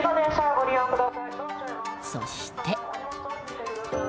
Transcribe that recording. そして。